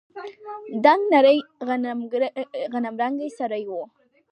دنګ نرى غنمرنگى سړى و.